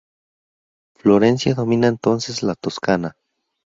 Florencia domina entonces la Toscana.